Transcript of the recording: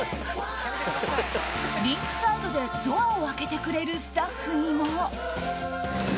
リンクサイドでドアを開けてくれるスタッフにも。